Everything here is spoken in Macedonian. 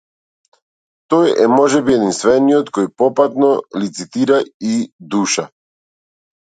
Тој е можеби единствениот кој попатно лицитира и душа.